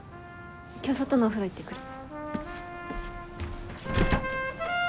今日外のお風呂行ってくる。